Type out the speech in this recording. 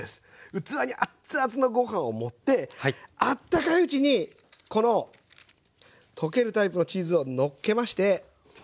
器にあっつあつのご飯を盛ってあったかいうちにこの溶けるタイプのチーズをのっけまして。